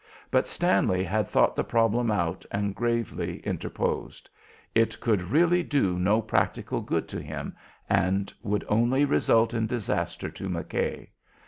But Stanley had thought the problem out and gravely interposed. It could really do no practical good to him and would only result in disaster to McKay.